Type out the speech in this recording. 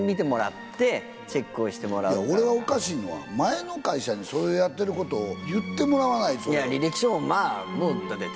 おかしいのは前の会社にそれをやってることを言ってもらわないと。